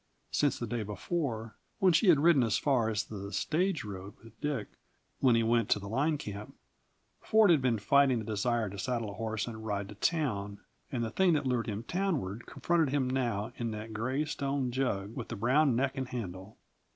Since the day before, when she had ridden as far as the stage road with Dick, when he went to the line camp, Ford had been fighting the desire to saddle a horse and ride to town; and the thing that lured him townward confronted him now in that gray stone jug with the brown neck and handle.